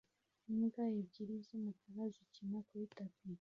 Imbwa ebyiri z'umukara zikina kuri tapi